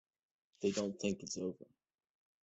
They don't think it's over.